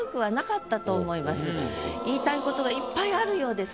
言いたいことがいっぱいあるようですからね。